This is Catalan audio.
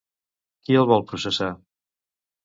Qui el vol processar?